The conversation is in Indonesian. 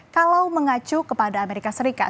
kalau mengacu kepada amerika serikat